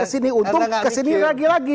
kesini untung kesini lagi lagi